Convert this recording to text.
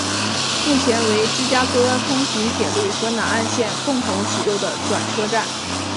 目前为芝加哥通勤铁路和南岸线共同使用的转车站。